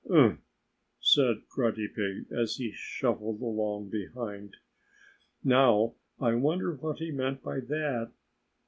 "Umph! Umph!" said Grunty Pig as he shuffled along behind. "Now, I wonder what he meant by that!"